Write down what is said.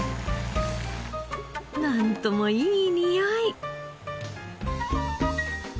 なんともいい匂い！